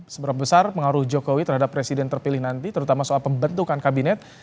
seberapa besar pengaruh jokowi terhadap presiden terpilih nanti terutama soal pembentukan kabinet